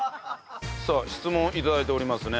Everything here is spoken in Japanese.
さあ質問頂いておりますね。